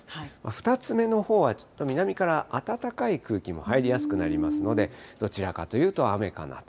２つ目のほうはちょっと南から暖かい空気も入りやすくなりますので、どちらかというと雨かなと。